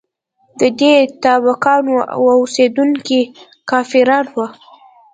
د دې ټاپوګانو اوسېدونکي کافران وه.